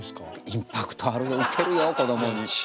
インパクトあるよウケるよこどもに。